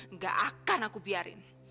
nggak akan aku biarin